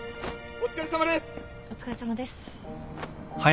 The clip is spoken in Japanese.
お疲れさまです。